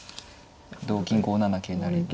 同金５七桂成に。